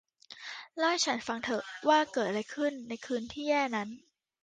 เล่าให้ฉันฟังเถอะว่าเกิดอะไรขึ้นในคืนที่แย่นั้น